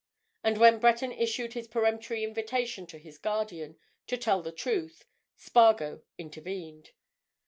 And when Breton issued his peremptory invitation to his guardian to tell the truth, Spargo intervened.